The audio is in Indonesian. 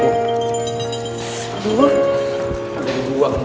harus dikuang bu